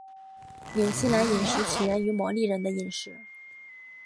纽西兰饮食起源于毛利人的饮食。